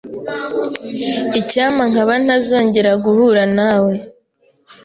Icyampa nkaba ntazongera guhura nawe.